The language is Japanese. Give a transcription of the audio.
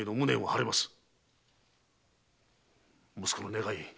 息子の願い